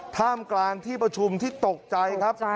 ท่ามกลางที่ประชุมที่ตกใจครับ